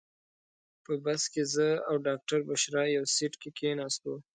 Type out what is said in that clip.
په بس کې زه او ډاکټره بشرا یو سیټ کې کېناستو.